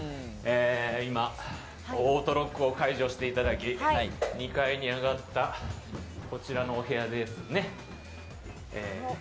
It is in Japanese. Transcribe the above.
今、オートロックを解除していただき２階に上がったこちらのお部屋です。